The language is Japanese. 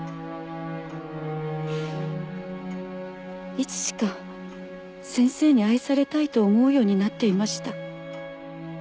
いつしか先生に愛されたいと思うようになっていました。